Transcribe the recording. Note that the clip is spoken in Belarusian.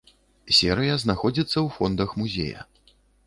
Серыя знаходзіцца ў фондах музея.